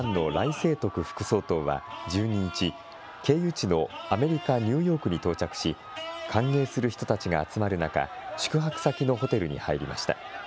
清徳副総統は１２日、経由地のアメリカ・ニューヨークに到着し、歓迎する人たちが集まる中、宿泊先のホテルに入りました。